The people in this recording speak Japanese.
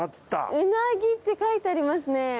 うなぎって書いてありますね。